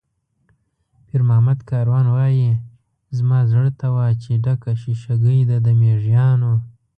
پیرمحمد کاروان وایي: "زما زړه ته وا چې ډکه شیشه ګۍ ده د مېږیانو".